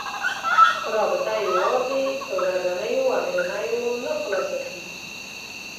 رابطه یوازې په ورځنيو امر و نهيو نه خلاصه کېږي.